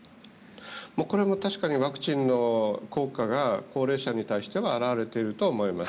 これも確かにワクチンの効果が高齢者に対しては表れていると思います。